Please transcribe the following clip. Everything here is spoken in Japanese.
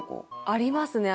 ありますね。